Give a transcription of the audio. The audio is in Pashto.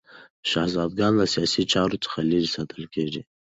شهزادګان له سیاسي چارو څخه لیرې ساتل کېدل.